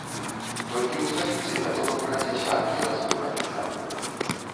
Толькі ў сталіцы вядома пра дзясяткі разбураных дамоў.